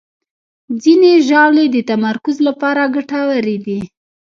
ځینې ژاولې د تمرکز لپاره ګټورې دي.